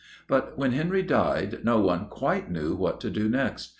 But when Henry died, no one quite knew what to do next.